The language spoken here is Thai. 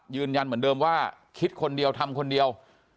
ยืนยันเหมือนเดิมว่าคิดคนเดียวทำคนเดียว